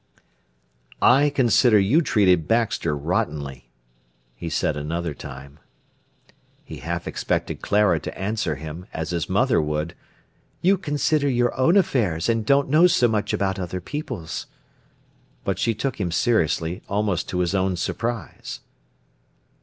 "I consider you treated Baxter rottenly," he said another time. He half expected Clara to answer him, as his mother would: "You consider your own affairs, and don't know so much about other people's." But she took him seriously, almost to his own surprise.